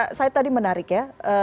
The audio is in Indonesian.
pak said tadi menarik ya